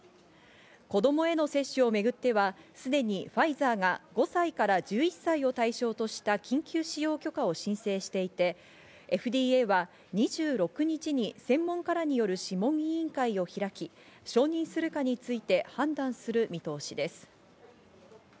子供への接種をめぐっては、すでにファイザーが５歳から１１歳を対象とした緊急使用許可を申請していて、ＦＤＡは２６日に専門家らによる諮問委員会を開き、承認するかについて判断する見通しです。